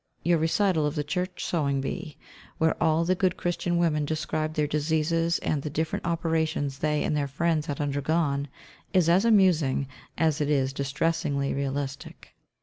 Your recital of the church sewing bee, where all the good Christian women described their diseases and the different operations they and their friends had undergone, is as amusing as it is distressingly realistic.